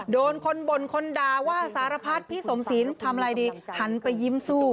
โดนคนบ่นคนด่าว่าสารพัดพี่สมศีลทำอะไรดีหันไปยิ้มสู้